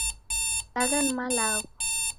Agha ni malagho